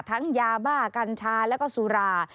ยาบ้ากัญชาแล้วก็สุรา